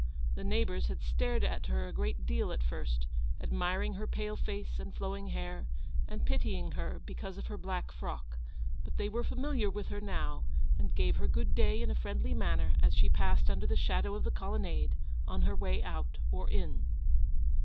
The neighbours had stared at her a great deal at first, admiring her pale face and flowing hair, and pity ing her because of her black frock ; but they were familiar with her now, and gave her good day in a friendly manner as she passed under the shadow of the colonnade on her way out or in.